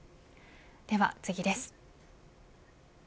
では次です。